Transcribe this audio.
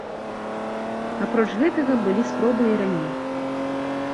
Апроч гэтага, былі спробы і раней.